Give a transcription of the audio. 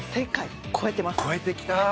超えてきた！